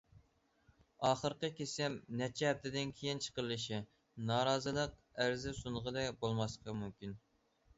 ئاخىرقى كېسىم نەچچە ھەپتىدىن كېيىن چىقىرىلىشى، نارازىلىق ئەرزى سۇنغىلى بولماسلىقى مۇمكىن.